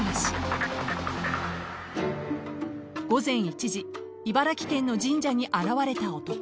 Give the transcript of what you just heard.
［午前１時茨城県の神社に現れた男］